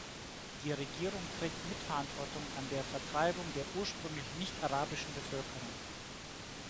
Die Regierung trägt Mitverantwortung an der Vertreibung der ursprünglich nichtarabischen Bevölkerung.